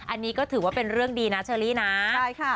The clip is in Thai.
อันนี้ก็ถือว่าเป็นเรื่องดีนะเชอรี่นะใช่ค่ะ